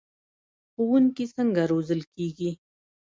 ښوونکي څنګه روزل کیږي؟